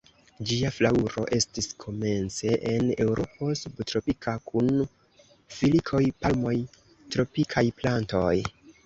Ĝia flaŭro estis komence en Eŭropo subtropika kun filikoj, palmoj, tropikaj plantoj.